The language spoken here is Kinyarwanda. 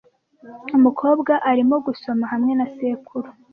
Umukobwa arimo gusoma hamwe na sekuru.